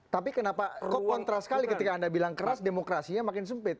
tapi kenapa pro kontra sekali ketika anda bilang keras demokrasinya makin sempit